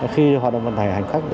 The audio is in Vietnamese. khi hoạt động vận tải hành khách